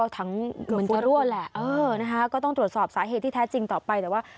ถังเหมือนจะรั่วแหละเออนะคะก็ต้องตรวจสอบสาเหตุที่แท้จริงต่อไปแต่ว่า